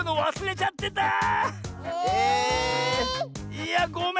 ⁉いやごめん。